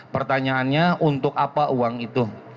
pertanyaannya untuk apa uang itu